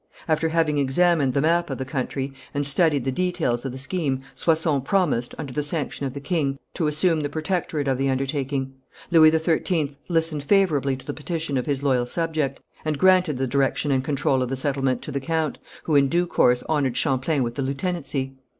After having examined the map of the country, and studied the details of the scheme, Soissons promised, under the sanction of the king, to assume the protectorate of the undertaking. Louis XIII listened favourably to the petition of his loyal subject, and granted the direction and control of the settlement to the count, who in due course honoured Champlain with the lieutenancy.